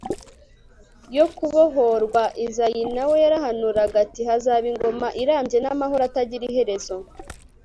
yo kubohorwa izayi nawe yarahanuraga ati hazaba ingoma irambye, n'amahoro atagira iherezo